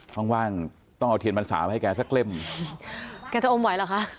ว่างว่างต้องเอาเทียนพรรษามาให้แกสักเล่มแกจะอมไหวเหรอคะ